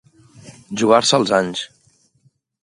Jugar-se els anys.